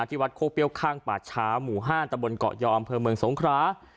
ที่วัดโคเปรี้ยวข้างป่าช้าหมู่๕ตะบนเกาะยอมอำเภอเมืองสงครา